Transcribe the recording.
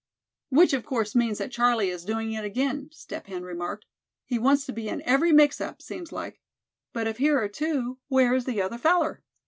"Which of course means that Charlie is doing it again," Step Hen remarked. "He wants to be in every mix up, seems like. But if here are two, where is the other feller?"